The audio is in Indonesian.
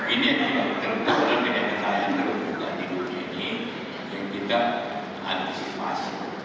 ini yang juga tertentu dan benar benar saya menurut bukaan hidupnya ini yang kita antisipasi